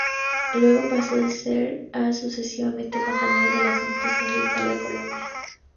Luego pasó a ser sucesivamente embajador ante la Santa Sede, Italia y Colombia.